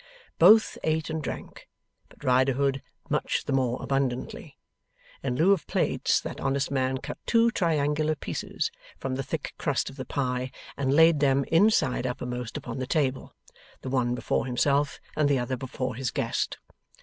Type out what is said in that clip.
Both ate and drank, but Riderhood much the more abundantly. In lieu of plates, that honest man cut two triangular pieces from the thick crust of the pie, and laid them, inside uppermost, upon the table: the one before himself, and the other before his guest.